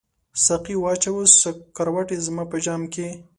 ساقي واچوه سکروټي زما په جام کې